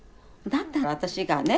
「だったら私がね